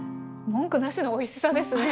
文句なしのおいしさですね。